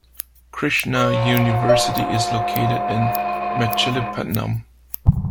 Krishna University is located in Machilipatnam.